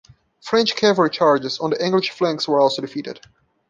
French cavalry charges on the English flanks were also defeated.